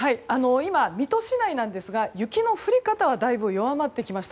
今、水戸市内ですが雪の降り方はだいぶ弱まってきました。